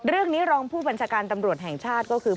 เรื่องนี้รองผู้บัญชาการตำรวจแห่งชาติก็คือ